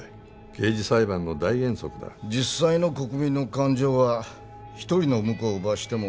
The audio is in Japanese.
刑事裁判の大原則だ実際の国民の感情は「一人の無辜を罰しても」